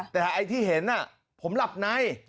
แต่ไอ้ที่เห็นผมหลับใน